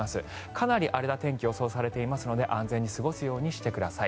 かなり荒れた天気が予想されていますので安全に過ごすようにしてください。